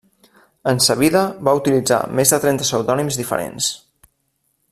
En sa vida va utilitzar més de trenta pseudònims diferents.